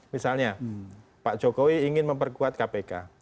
misalnya pak jokowi ingin memperkuat kpk